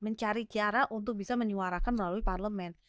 mencari kiara untuk bisa menyuarakan melalui parlemen